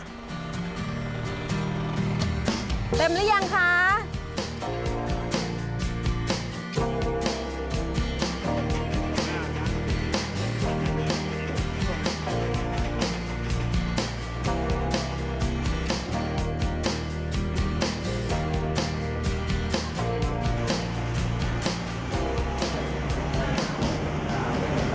เต็มรึยังคะ